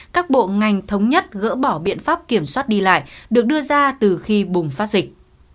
các bộ ngành thống nhất gỡ bỏ biện pháp kiểm soát đi lại được đưa ra từ khi bùng phát dịch